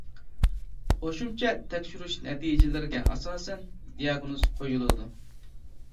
قوشۇمچە تەكشۈرۈش نەتىجىلىرىگە ئاساسەن دىياگنوز قويۇلىدۇ.